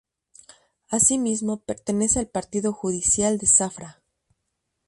Asimismo pertenece al Partido Judicial de Zafra.